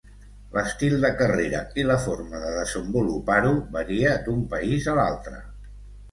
L'estil de carrera i la forma de desenvolupar-ho varia d'un país a l'altre.